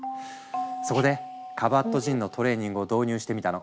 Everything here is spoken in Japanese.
そこでカバットジンのトレーニングを導入してみたの。